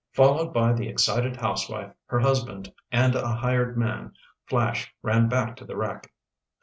Followed by the excited housewife, her husband, and a hired man, Flash ran back to the wreck.